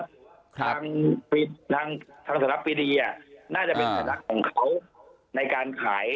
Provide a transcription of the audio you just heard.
ทางสรรพีดีน่าจะเป็นสัญลักษณ์ของเขา